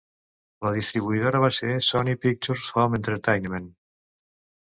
La distribuïdora va ser Sony Pictures Home Entertainment.